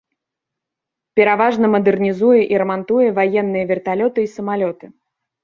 Пераважна мадэрнізуе і рамантуе ваенныя верталёты і самалёты.